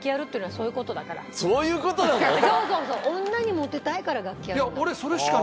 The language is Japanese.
そうそう女にモテたいから楽器やるんだもん。